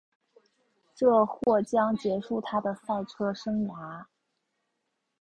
这或将结束她的赛车生涯。